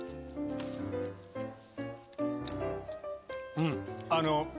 うんあの。